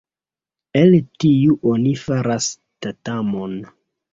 El tiu oni faras tatamon.